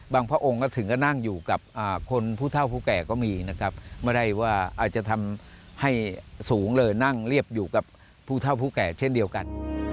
พระองค์ก็ถึงก็นั่งอยู่กับคนผู้เท่าผู้แก่ก็มีนะครับไม่ได้ว่าอาจจะทำให้สูงเลยนั่งเรียบอยู่กับผู้เท่าผู้แก่เช่นเดียวกัน